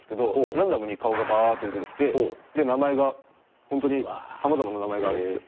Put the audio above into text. ランダムに顔がバッて出てきて名前が本当にさまざまな名前があるんですよ。